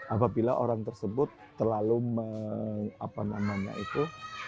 apabila orang tersebut terlalu apa namanya itu